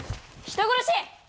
人殺し！